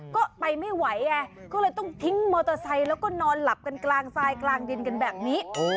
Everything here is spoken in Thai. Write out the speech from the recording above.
ก็ไปไม่ไหวไงก็เลยต้องทิ้งมอเตอร์ไซค์แล้วก็นอนหลับกันกลางทรายกลางดินกันแบบนี้